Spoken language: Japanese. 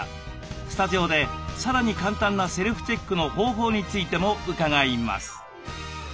スタジオでさらに簡単なセルフチェックの方法についても伺います。